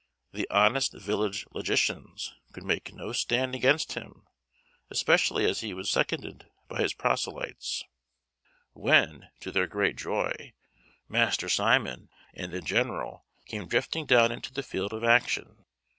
The honest village logicians could make no stand against him, especially as he was seconded by his proselytes; when, to their great joy, Master Simon and the general came drifting down into the field of action.